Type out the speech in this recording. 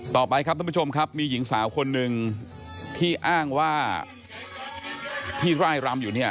ต่อไปครับท่านผู้ชมครับมีหญิงสาวคนหนึ่งที่อ้างว่าที่ร่ายรำอยู่เนี่ย